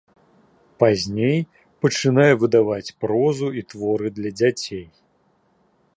Пазней пачынае выдаваць прозу і творы для дзяцей.